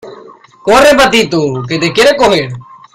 corre, patito , que te quiere coger.